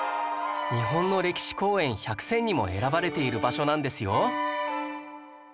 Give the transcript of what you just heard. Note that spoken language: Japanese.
「日本の歴史公園１００選」にも選ばれている場所なんですよ